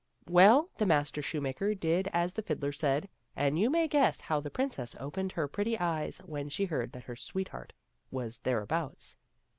Well, the master shoemaker did as the fiddler said, and you may guess how the princess opened her pretty eyes when she heard that her sweet heart was thereabouts.